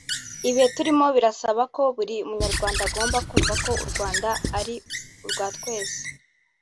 Ibihe turimo birasaba ko buri munyarwanda agomba kumva ko u Rwanda ari urwa twese